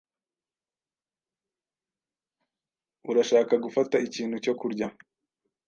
Urashaka gufata ikintu cyo kurya?